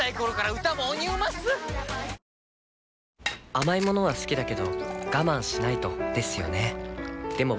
甘い物は好きだけど我慢しないとですよね